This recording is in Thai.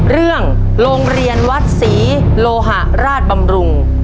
โรงเรียนวัดศรีโลหะราชบำรุง